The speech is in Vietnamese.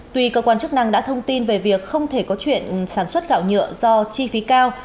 tuy cơ quan chức năng đã thông tin về việc không thể có chuyện sản xuất gạo nhựa do chi phí cao